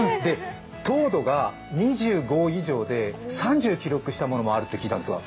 糖度が２５度以上で３０を記録したものもあると聞いたんですが？